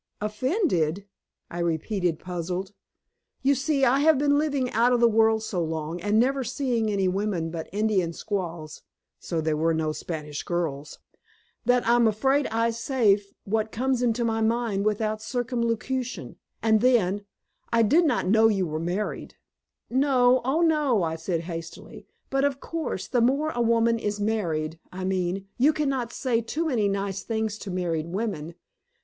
"Offended?" I repeated, puzzled. "You see, I have been living out of the world so long, and never seeing any women but Indian squaws" so there were no Spanish girls! "that I'm afraid I say what comes into my mind without circumlocution. And then I did not know you were married." "No, oh, no," I said hastily. "But, of course, the more a woman is married I mean, you can not say too many nice things to married women.